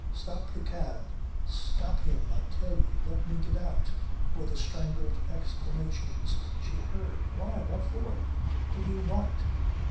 "Stop the cab. Stop him I tell you. Let me get out!" were the strangled exclamations she heard. Why? What for? To do what?